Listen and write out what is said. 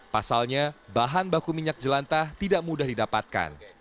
pasalnya bahan baku minyak jelantah tidak mudah didapatkan